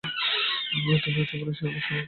তুমি আছ বলে সে আমার সঙ্গে কথা বলতে পারছে না।